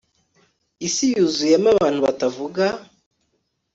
isi yuzuyemo abantu batavuga